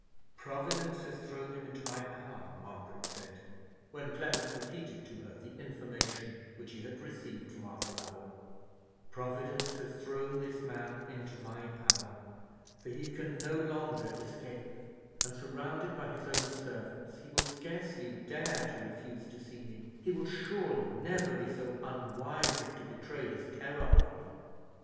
"Providence has thrown him into my power," Margaret said, when Clement repeated to her the information which he had received from Arthur Lovell,—"Providence has thrown this man into my power; for he can no longer escape, and, surrounded by his own servants, he will scarcely dare to refuse to see me; he will surely never be so unwise as to betray his terror of me."